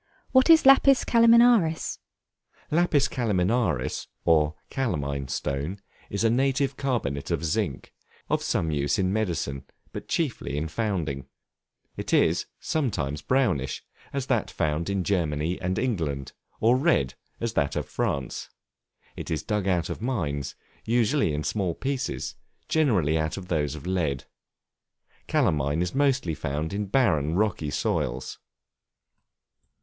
What is Lapis Calaminaris? Lapis Calaminaris, or calamine stone, is a native carbonate of zinc, of some use in medicine, but chiefly in founding. It is, sometimes brownish, as that found in Germany and England, or red, as that of France. It is dug out of mines, usually in small pieces; generally out of those of lead. Calamine is mostly found in barren, rocky soils.